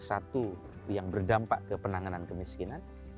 satu yang berdampak ke penanganan kemiskinan